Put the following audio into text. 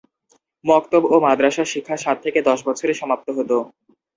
মকতব ও মাদ্রাসা শিক্ষা সাত থেকে দশ বছরে সমাপ্ত হতো।